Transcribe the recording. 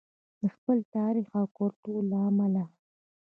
د خپل تاریخ او کلتور له امله.